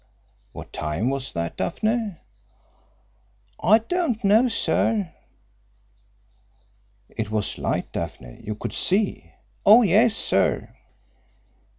"What time was that, Daphne?" "I don't know, sir." "It was light, Daphne? You could see?" "Oh, yes, sir."